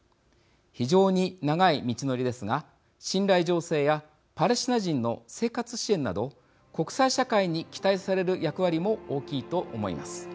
非常に長い道のりですが信頼醸成やパレスチナ人の生活支援など国際社会に期待される役割も大きいと思います。